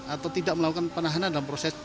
atau tidak melakukan penahanan dalam proses